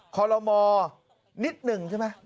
คมนิดหนึ่งใช่ไหม